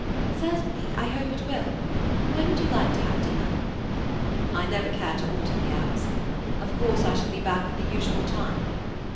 "Certainly. I hope it will. When would you like to have dinner?" "I never care to alter the hours. Of course I shall be back at the usual time.